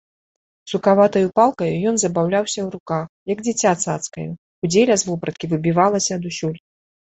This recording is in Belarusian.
Сукаватаю палкаю ён забаўляўся ў руках, як дзіця цацкаю, кудзеля з вопраткі выбівалася адусюль.